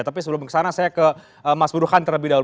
tapi sebelum kesana saya ke mas buruhan terlebih dahulu